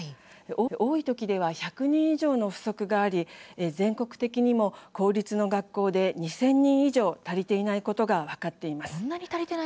多い時では１００人以上の不足があり全国的にも公立の学校で２０００人以上足りていないことが分かっています。